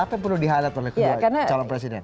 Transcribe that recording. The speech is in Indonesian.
apa yang perlu di highlight oleh kedua calon presiden